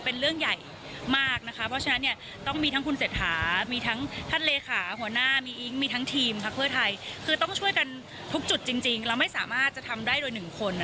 เพราะวันนี้มันคือการใหญ่มากแล้วก็เดินหน้าเต็มที่ค่ะ